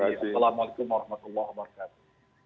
assalamualaikum warahmatullah wabarakatuh